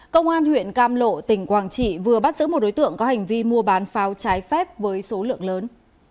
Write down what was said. công an huyện cam lộ tỉnh quảng trị vừa bắt giữ một đối tượng có hành vi mua bán pháo trái phép với số lượng lớn